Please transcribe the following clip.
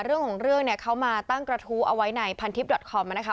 เรื่องของเรื่องเนี่ยเขามาตั้งกระทู้เอาไว้ในพันทิพยอดคอมนะคะ